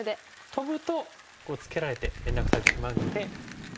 トブとツケられて連絡されてしまうので。